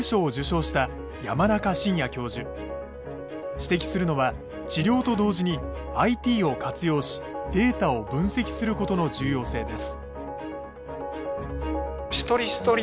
指摘するのは治療と同時にＩＴを活用しデータを分析することの重要性です。